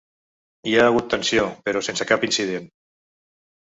Hi ha hagut tensió, però sense cap incident.